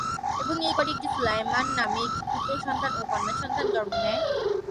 এবং এই ঘরে একটি সুলায়মান নামে একটি পুত্র সন্তান ও কন্যা সন্তান জন্ম নেয়।